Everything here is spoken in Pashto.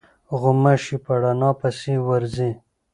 غوماشې په رڼا پسې ورځي.